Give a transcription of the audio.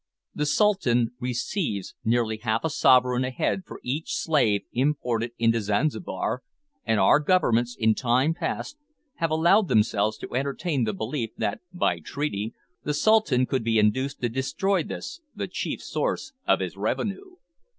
The Sultan receives nearly half a sovereign a head for each slave imported into Zanzibar, and our Governments, in time past, have allowed themselves to entertain the belief, that, by treaty, the Sultan could be induced to destroy this the chief source of his revenue!